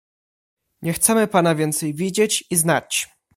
"Nie chcemy pana więcej widzieć i znać!..."